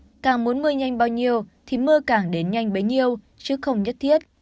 ông nói càng muốn mưa nhanh bao nhiêu thì mưa càng đến nhanh bấy nhiêu chứ không nhất thiết